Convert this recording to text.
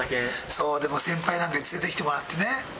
そう先輩なんかに連れてきてもらってね。